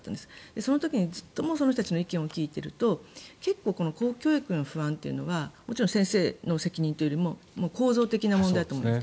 その時に、ずっとその人たちの意見を聞いていると結構、公教育の不安は先生の責任というよりも構造的な問題だった。